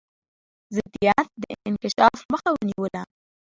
ضدیت د انکشاف مخه ونیوله.